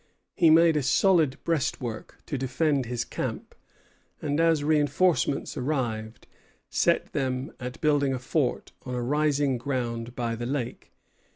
He made a solid breastwork to defend his camp; and as reinforcements arrived, set them at building a fort on a rising ground by the lake.